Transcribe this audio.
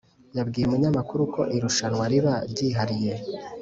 yabwiye umunyamakuru ko irushwanwa riba ryihariye